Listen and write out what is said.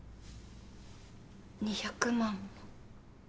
２００万も。